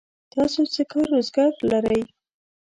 تاسو څه کار روزګار لرئ؟